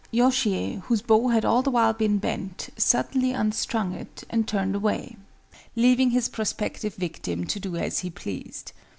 Yoshiie, whose bow had all the while been bent, suddenly unstrung it and turned away, leaving his prospective victim to do as he pleased.